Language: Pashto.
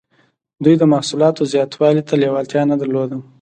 دوی د محصولاتو زیاتوالي ته لیوالتیا نه درلوده.